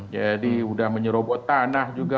jadi sudah menyerobot tanah juga